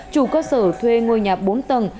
chủ cơ sở thuê ngôi nhà bốn tầng